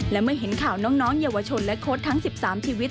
และเมื่อเห็นข่าวน้องเยาวชนและโค้ดทั้ง๑๓ชีวิต